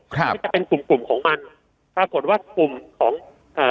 ครับที่จะเป็นกลุ่มกลุ่มของมันปรากฏว่ากลุ่มของเอ่อ